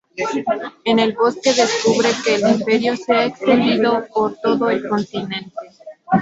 En el bosque, descubren que el Imperio se ha extendido por todo el continente.